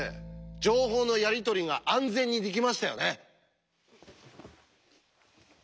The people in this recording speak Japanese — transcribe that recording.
情報のやり取りが安全にできましたよね。